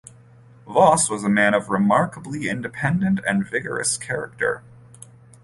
Voss was a man of a remarkably independent and vigorous character.